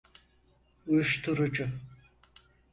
Uyuşturucu…